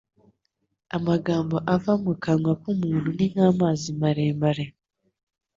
Amagambo ava mu kanwa k’umuntu ni nk’amazi maremare